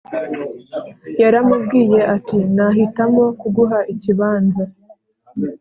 Yaramubwiye ati nahitamo kuguha ikibanza